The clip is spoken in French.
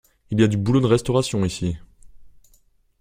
Il y a du boulot de restauration ici!